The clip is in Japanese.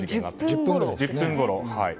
１時１０分ごろ。